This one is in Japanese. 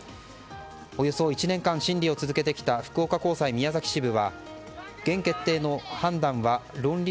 およそ１年間審理を続てきた福岡高裁宮崎支部は原決定の判断は論理